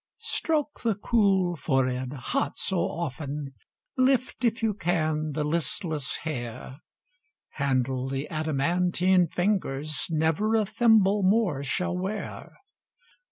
Stroke the cool forehead, hot so often, Lift, if you can, the listless hair; Handle the adamantine fingers Never a thimble more shall wear.